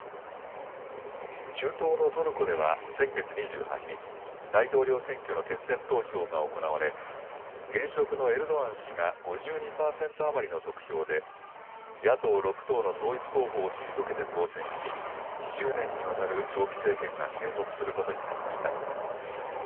中東のトルコでは先月２８日、大統領選挙の決選投票が行われ現職のエルドアン氏が５２％余りの得票で野党６党の統一候補を退けて当選し２０年にわたる長期政権が継続することになりました。